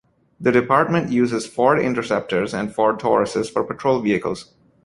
The department uses Ford Interceptors and Ford Tauruses for patrol vehicles.